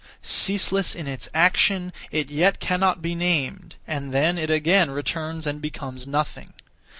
Ceaseless in its action, it yet cannot be named, and then it again returns and becomes nothing.